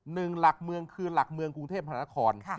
หนึ่งหลักเมืองคือหลักเมืองกรุงเทพหานคร